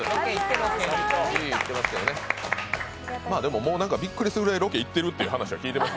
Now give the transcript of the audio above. でもびっくりするぐらいロケ行ってるっていう話は聞いてます。